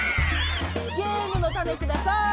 ゲームのタネください。